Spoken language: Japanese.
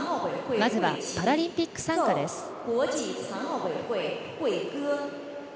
まずは「パラリンピック賛歌」です。